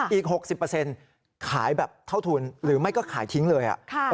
อีก๖๐ขายแบบเท่าทุนหรือไม่ก็ขายทิ้งเลย